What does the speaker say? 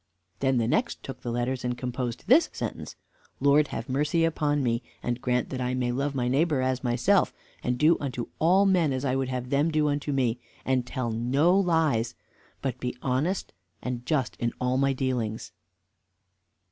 Then the next took the letters, and composed this sentence: "Lord, have mercy upon me, and grant that I may love my neighbor as myself, and do unto all men as I would have them do unto me, and tell no lies; but be honest and just in all my dealings."